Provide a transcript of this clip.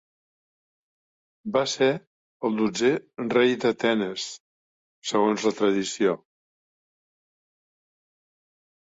Va ser el dotzè rei d'Atenes segons la tradició.